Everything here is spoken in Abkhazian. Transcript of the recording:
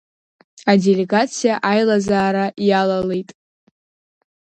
Аделегациа аилазаара иалалеит…